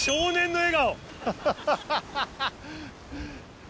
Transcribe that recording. ハハハハハ！